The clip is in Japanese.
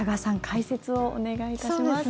解説をお願いいたします。